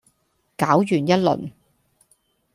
攪完一輪